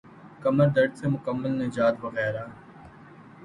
کمر درد سے مکمل نجات وغیرہ